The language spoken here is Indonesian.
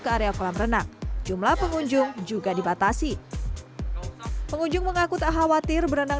ke area kolam renang jumlah pengunjung juga dibatasi pengunjung mengaku tak khawatir berenang